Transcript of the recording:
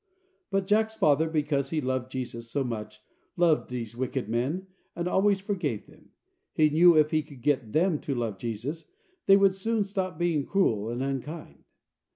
But Jack's father, because he loved Jesus so much, loved these wicked men, and always forgave them. He knew if he could get them to love Jesus, they would soon stop being cruel and unkind.